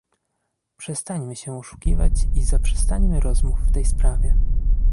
Przestańmy się oszukiwać i zaprzestańmy rozmów w tej sprawie